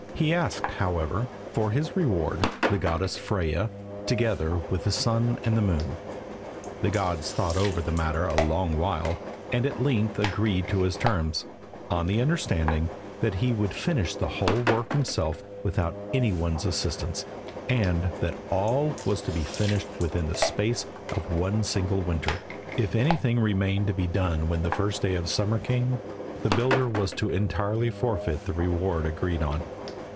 He asked, however, for his reward, the goddess Freyja, together with the sun and moon. The gods thought over the matter a long while, and at length agreed to his terms, on the understanding that he would finish the whole work himself without any one's assistance, and that all was to be finished within the space of one single winter. If anything remained to be done when the first day of summer came, the builder was to entirely forfeit the reward agreed on.